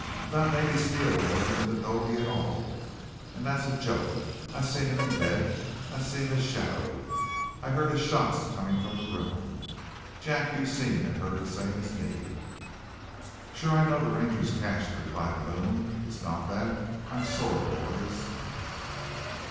"'About mebbe Steele wasn't in the 'dobe at all. Aw, thet's a joke! I seen him in bed. I seen his shadder. I heard his shots comin' from the room. Jack, you seen an' heerd same as me.' "'Sure. I know the Ranger's cashed,' replied Blome. 'It's not that. I'm sore, boys.'